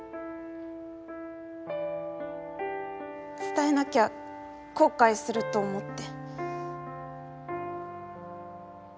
伝えなきゃ後悔すると思って。